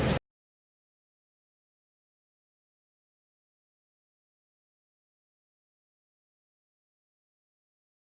berita terkini mengenai cuaca ekstrem dua ribu dua puluh satu di jepang